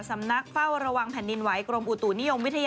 สำนักเฝ้าระวังแผ่นดินไหวกรมอุตุนิยมวิทยา